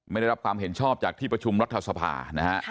ไม่ได้รับความเห็นชอบจากที่ประชุมรัฐสภานะฮะ